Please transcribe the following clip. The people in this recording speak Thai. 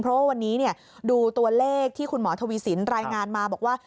เพราะว่าวันนี้ดูตัวเลขที่คุณหมอทวีสินรายงานมาบอกว่า